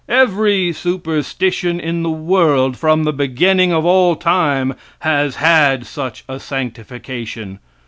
Every superstition in the world, from the beginning of all time, has had such a sanctification.